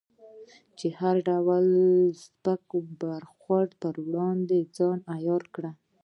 چې د هر ډول سپک برخورد پر وړاندې ځان عیار کړې.